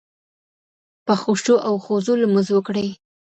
په خشوع او خضوع لمونځ وکړئ